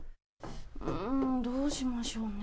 うん、どうしましょうね。